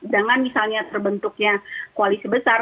dengan misalnya terbentuknya koalisi besar